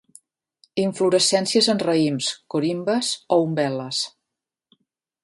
Inflorescències en raïms, corimbes o umbel·les.